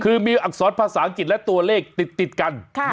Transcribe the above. คือมีอักษรภาษาอังกฤษและตัวเลขติดกัน